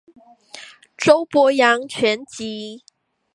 周伯陽全集